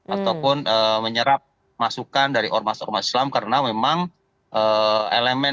ataupun menyerap masukan dari ormas ormas islam karena memang elemen